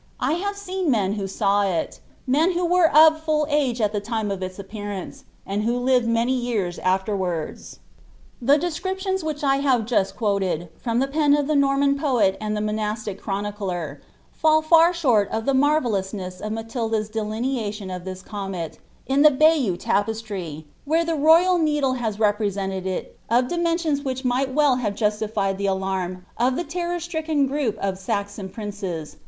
I liai e seen men who saw ii — men who were of "ill ase at the time of ita appearance, and who lived many years al\er T)ie descriptions which 1 have just quoted, from the pen of the Noi^ MB port and the monastic clironicler, fall far shorl of the inarvellou»r Dm of Matilda'n drimeation of this comet, in the Bayeux tapestry, «1itn th«t royal nctxlle has represented it of dimensions that might w«l bre jitflificd lite alann of the terror stricken group of Saaon prmceS|.